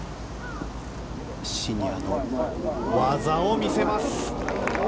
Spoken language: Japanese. シニアの技を見せます。